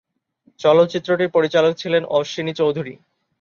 চলচ্চিত্রটির পরিচালক ছিলেন অশ্বিনী চৌধুরী।